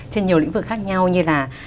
trên nhiều lĩnh vực khác nhau như là